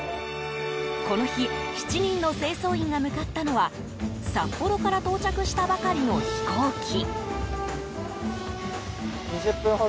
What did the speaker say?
この日７人の清掃員が向かったのは札幌から到着したばかりの飛行機。